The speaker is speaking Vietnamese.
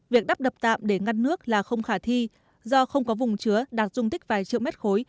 việc đắp đập tạm để ngăn nước là không khả thi do không có vùng chứa đạt dung tích vài triệu mét khối